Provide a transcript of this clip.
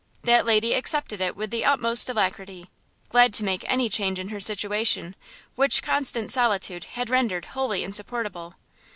That lady accepted it with the utmost alacrity, glad to make any change in her situation, which constant solitude had rendered wholly insupportable.